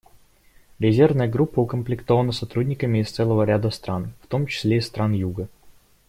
Резервная группа укомплектована сотрудниками из целого ряда стран, в том числе из стран Юга.